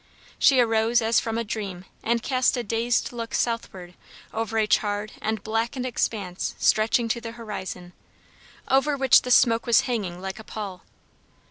She arose as from a dream and cast a dazed look southward over a charred and blackened expanse stretching to the horizon, over which the smoke was hanging like a pall.